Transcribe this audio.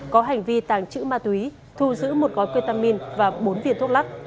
có hành vi tàng trữ ma túy thu giữ một gói ketamin và bốn viên thuốc lắc